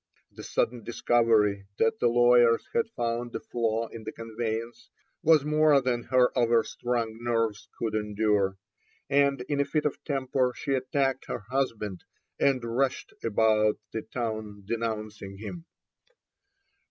The sudden discovery that the lawyers had found a flaw in the conveyance was more than her overstrung nerves could endure, and in a fit of temper she attacked her husband, and rushed about the town denouncing him.